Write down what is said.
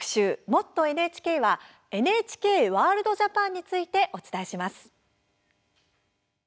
「もっとＮＨＫ」はＮＨＫワールドＪＡＰＡＮについてお伝えします。